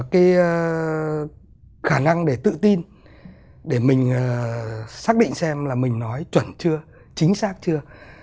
cái khả năng để tự tin để mình xác định xem là mình nói chuẩn chưa chính xác chưa